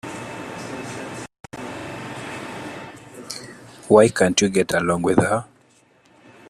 Why can't you get along with her?